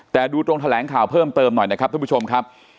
แต่ดูตรงแถลงข่าวเพิ่มเติมหน่อยนะครับท่านผู้ชมครับ